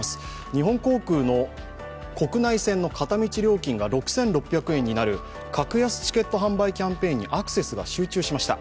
日本航空の国内線の片道料金が６６００円になる格安チケット販売キャンペーンにアクセスが集中しました。